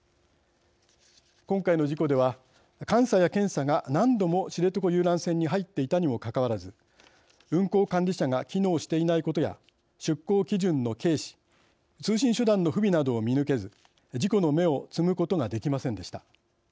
今回の事故では監査や検査が何度も知床遊覧船に入っていたにもかかわらず運航管理者が機能していないことや出港基準の軽視通信手段の不備などを見抜けず事故の芽を摘むことができませんでした。